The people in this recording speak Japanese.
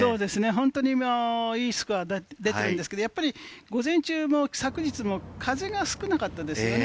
本当にいいスコアが出ているんですけれど、やっぱり午前中、昨日も風が少なかったですね。